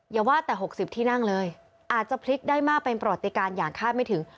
อย่าว่าแต่๖๐ที่นั่งเลยอาจจะพลิกได้มากเป็นประวัติการอย่างคาดไม่ถึง